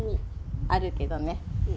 あるけどね。